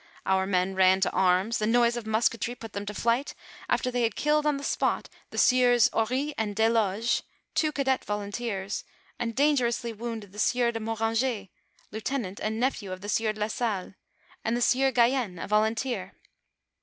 Our men ran to arms, the noise of musketry put them to flight, after they had killed on the spot the sieurs Oris and Desloge, two cadets volunteers, and dangerously wounded the sieur de Moranger, lieutenant and nephew of the sieur do la Salle, and the sieur Gaien, a volunteer.